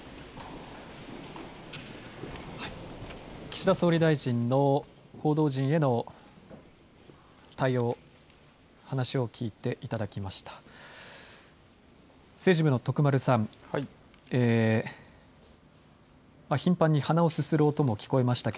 岸田総理大臣の報道陣への対応、話を聞いていただきました。